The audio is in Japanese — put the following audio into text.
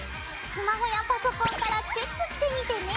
スマホやパソコンからチェックしてみてね。